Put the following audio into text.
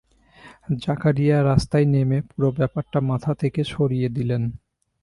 জাকারিয়া রাস্তায় নেমে পুরো ব্যাপারটা মাথা থেকে সরিয়ে দিলেন।